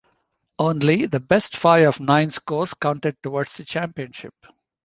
Only the best five of nine scores counted towards the championship.